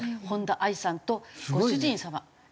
本田藍さんとご主人様。